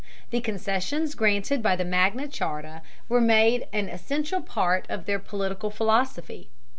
The concessions granted by the Magna Charta were made an essential part of their political philosophy.